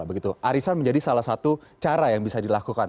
begitu arisan menjadi salah satu cara yang bisa dilakukan